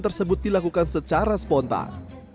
tersebut dilakukan secara spontan